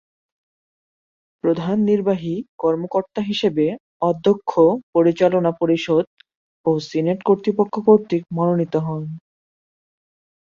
প্রধান নির্বাহী কর্মকর্তা হিসেবে অধ্যক্ষ পরিচালনা পরিষদ ও সিনেট কর্তৃপক্ষ কর্তৃক মনোনীত হন।